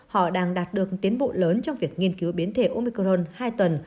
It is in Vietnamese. họ đang đạt được tiến bộ lớn trong việc nghiên cứu biến thể omicron hai tuần